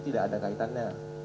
tidak ada kaitannya